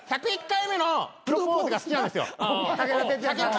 『１０１回目のプロポーズ』が好きなんです。